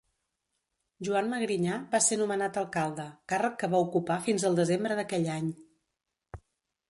Joan Magrinyà va ser nomenat alcalde, càrrec que va ocupar fins al desembre d'aquell any.